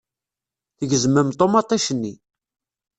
Tgezmem ṭumaṭic-nni.